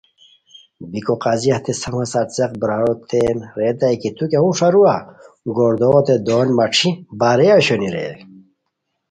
بیکو قاضی ہتے سفان سار څیق براروتین ریتائے کی تو کیہ ہوݰ ارو گوردوغوتین دون مݯھی بارئے اوشونی رے؟